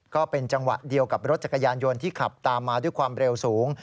ก็เป็นจังหวะเดียวกับรถจักรยานยนต์ที่ขับตามมาด้วยความเร็วสูง